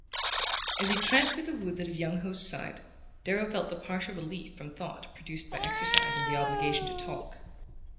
As he tramped through the woods at his young host's side, Darrow felt the partial relief from thought produced by exercise and the obligation to talk.